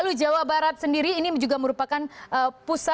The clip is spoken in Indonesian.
lalu jawa barat sendiri ini juga merupakan pusat ataupun juga pertumbuhan ekonomi birani